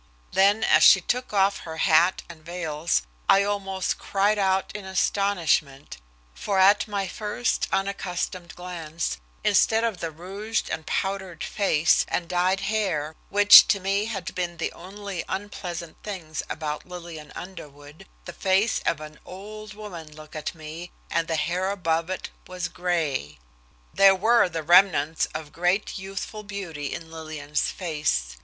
Then, as she took off her hat and veils, I almost cried out in astonishment for at my first, unaccustomed glance, instead of the rouged and powdered face, and dyed hair, which to me had been the only unpleasant things about Lillian Underwood, the face of an old woman looked at me, and the hair above it was gray! There were the remnants of great youthful beauty in Lillian's face.